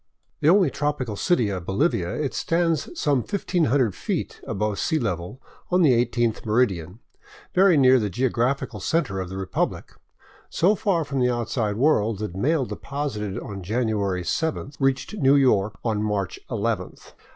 The only tropical city of Bolivia, it stands some 1500 feet above sea level on the i8th meridian, very near the geo graphical center of the republic, so far from the outside world that mail deposited on January 7th reached New York on March nth.